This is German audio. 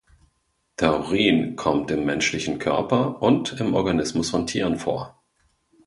Taurin kommt im menschlichen Körper und im Organismus von Tieren vor.